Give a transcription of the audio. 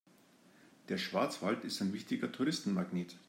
Der Schwarzwald ist ein wichtiger Touristenmagnet.